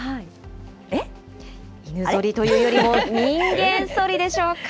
犬ぞりというよりも人間ソリでしょうか？